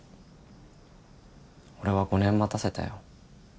俺は５年待たせたよ。